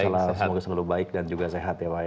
semoga selalu baik dan juga sehat ya pak ya